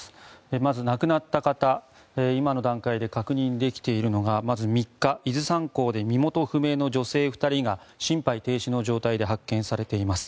まず、亡くなった方今の段階で確認できているのがまず３日、伊豆山港で身元不明の女性２人が心肺停止の状態で発見されています。